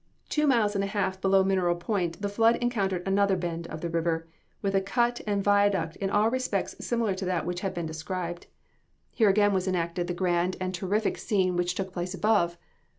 Two miles and a half below Mineral Point the flood encountered another bend of the river, with a cut and viaduct in all respects similar to that which has been described. Here again was enacted the grand and terrific scene which took place above.